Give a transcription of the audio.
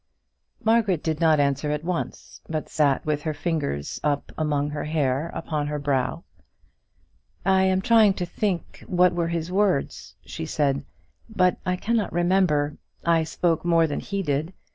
Margaret did not answer at once, but sat with her fingers up among her hair upon her brow: "I am trying to think what were his words," she said, "but I cannot remember. I spoke more than he did.